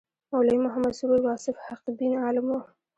مولوي محمد سرور واصف حقبین عالم و.